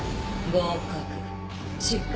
合格。